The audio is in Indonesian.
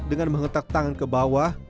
dengan mengetak tangan ke bawah